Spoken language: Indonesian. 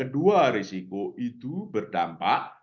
dua risiko itu berdampak